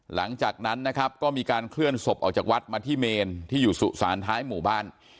หลังจากนั้นนะครับก็มีการเคลื่อนศพออกจากวัดมาที่เมนที่อยู่สุสานท้ายหมู่บ้าน